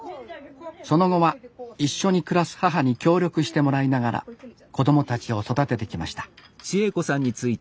その後は一緒に暮らす母に協力してもらいながら子どもたちを育ててきました